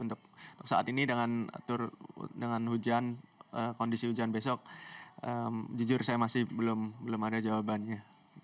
untuk saat ini dengan hujan kondisi hujan besok jujur saya masih belum ada jawabannya